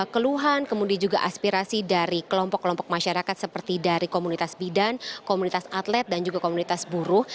keluhan kemudian juga aspirasi dari kelompok kelompok masyarakat seperti dari komunitas bidan komunitas atlet dan juga komunitas buruh